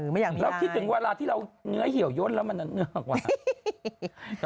ไม่อยากมีอะไรแล้วคิดถึงเวลาที่เราเหนือเหี่ยวย้นแล้วมันเหนือกว่า